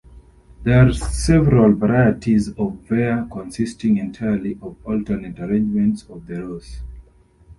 There are several varieties of vair consisting entirely of alternate arrangements of the rows.